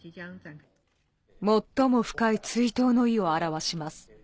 最も深い追悼の意を表します。